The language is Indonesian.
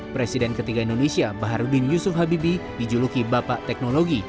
presiden ketiga indonesia baharudin yusuf habibi dijuluki bapak teknologi